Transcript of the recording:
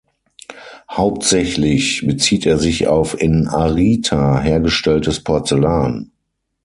Hauptsächlich bezieht er sich auf in Arita hergestelltes Porzellan.